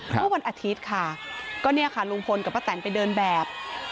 เมื่อวันอาทิตย์ค่ะก็เนี่ยค่ะลุงพลกับป้าแตนไปเดินแบบ